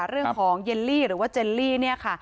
เรื่องของเยลลี่หรือว่าเจลลี่เนี่ยค่ะ